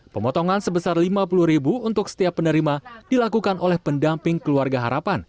pemotongan sebesar rp lima puluh untuk setiap penerima dilakukan oleh pendamping keluarga harapan